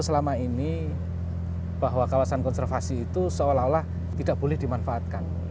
selama ini bahwa kawasan konservasi itu seolah olah tidak boleh dimanfaatkan